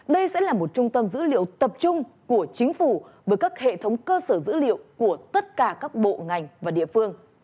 đây sẽ là một trung tâm dữ liệu tập trung của chính phủ với các hệ thống cơ sở dữ liệu của tất cả các bộ